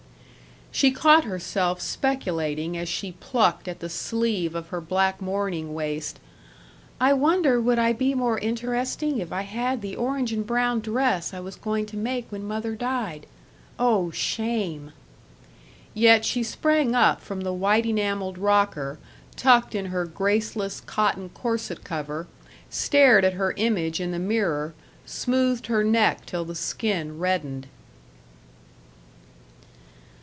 She caught herself speculating as she plucked at the sleeve of her black mourning waist: "I wonder would I be more interesting if I had the orange and brown dress I was going to make when mother died?... Oh, shame!" Yet she sprang up from the white enameled rocker, tucked in her graceless cotton corset cover, stared at her image in the mirror, smoothed her neck till the skin reddened.